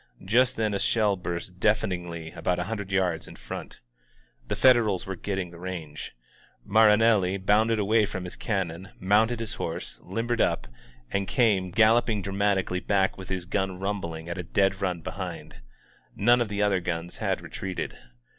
Just then a shell burst deaf eningly about a hundred yards in front. The Federals were getting the range. Marinelli bounded away from his cannon, mounted his horse, limbered up and came 219 INSURGENT MEXICO gaDopiiig dnuBaticaDy hmA with lus gun mmhihig along at a dead mn hfhind, Naut of tbe otlier guns had retreated.